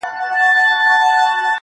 د کلي سپی یې، د کلي خان دی.